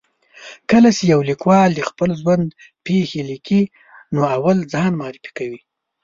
کله چې یو لیکوال د خپل ژوند پېښې لیکي، نو اول ځان معرفي کوي.